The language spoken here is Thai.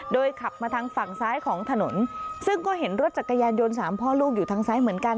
ขับมาทางฝั่งซ้ายของถนนซึ่งก็เห็นรถจักรยานยนต์สามพ่อลูกอยู่ทางซ้ายเหมือนกัน